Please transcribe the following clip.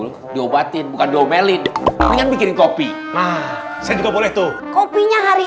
orang sakit dulu diobatin bukan jomelin dengan bikin kopi nah saya juga boleh tuh kopinya hari